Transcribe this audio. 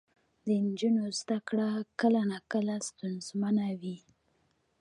د نجونو زده کړه کله ناکله ستونزمنه وي.